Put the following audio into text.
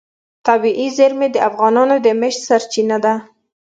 طبیعي زیرمې د افغانانو د معیشت سرچینه ده.